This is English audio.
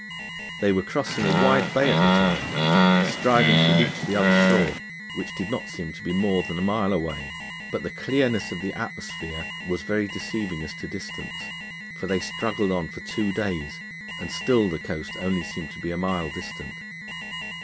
They were crossing a wide bay at the time, striving to reach the other shore, which did not seem to be more than a mile away. But the clearness of the atmosphere was very deceiving as to distance, for they struggled on for two days and still the coast only seemed to be a mile distant.